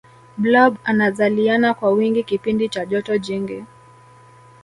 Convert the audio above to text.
blob anazaliana kwa wingi kipindi cha joto jingi